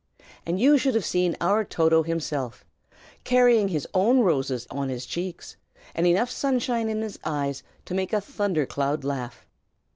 And you should have seen our Toto himself, carrying his own roses on his cheeks, and enough sunshine in his eyes to make a thunder cloud laugh!